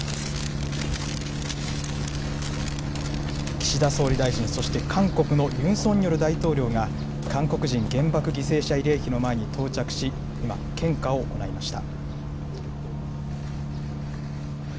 岸田総理大臣、そして韓国のユン・ソンニョル大統領が、韓国人原爆犠牲者慰霊碑の前に到着し、今、献花を行いました。